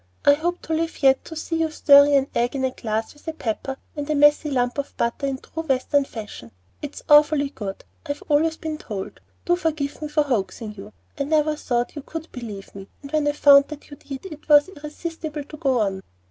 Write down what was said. I hope to live yet to see you stirring an egg in a glass with pepper and a 'messy' lump of butter in true Western fashion. It's awfully good, I've always been told. Do forgive me for hoaxing you. I never thought you could believe me, and when I found that you did, it was irresistible to go on."